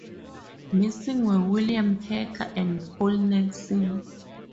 Missing were William Perka and Paul Nelson.